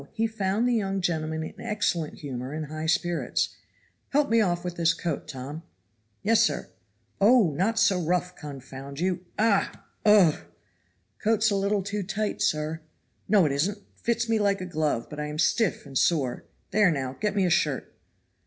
he found the young gentleman in excellent humor and high spirits. "Help me off with this coat, Tom." "Yes, sir." "Oh! not so rough, confound you. Ah! Ugh!" "Coat's a little too tight, sir." "No it isn't it fits me like a glove but I am stiff and sore. There, now, get me a shirt."